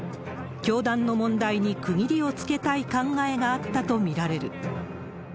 教団の問題に区切りをつけたい考えがあったと見られる。